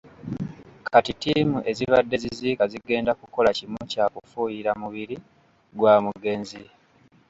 Kati ttiimu ezibadde ziziika zigenda kukola kimu kya kufuuyira mubiri gwa mugenzi.